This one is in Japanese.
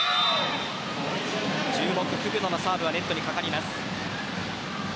注目クグノのサーブはネットにかかります。